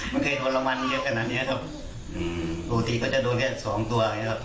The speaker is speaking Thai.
มันเคยโดนรำมันเยอะขนาดนี้ครับอาจจะโดนแค่๒ตัว